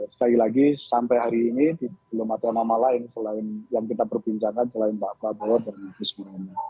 sekali lagi sampai hari ini belum ada nama lain selain yang kita perbincangkan selain pak prabowo dan gus muhaymin